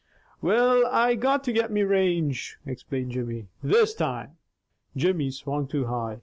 "Will, I got to get me range," explained Jimmy. "This time " Jimmy swung too high.